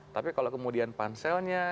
tapi kalau kemudian panselnya